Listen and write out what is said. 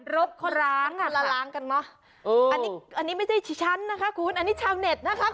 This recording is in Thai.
รบคนร้างอ่ะคุณอันนี้ไม่ใช่ชั้นนะคะคุณอันนี้ชาวเน็ตนะคะคุณ